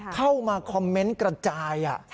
เข้ามาคอมเมนต์กระจาย